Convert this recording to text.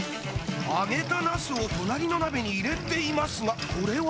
揚げたナスを隣の鍋に入れていますがこれは？